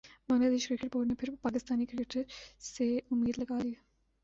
بنگلہ دیش cricket board نے پھر پاکستانی کرکٹرز سے امید لگا لی